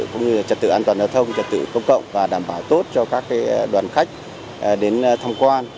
cũng như trật tự an toàn giao thông trật tự công cộng và đảm bảo tốt cho các đoàn khách đến thăm quan